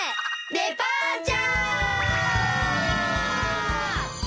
デパーチャー！